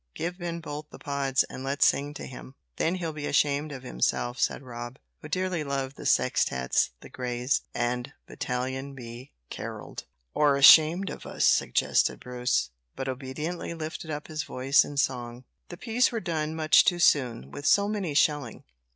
"Give Ben Bolt the pods, and let's sing to him; then he'll be ashamed of himself," said Rob, who dearly loved the sextettes the Greys and Battalion B carolled. "Or ashamed of us," suggested Bruce, but obediently lifted up his voice in song. The peas were done much too soon, with so many shelling.